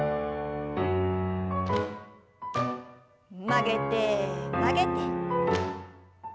曲げて曲げて。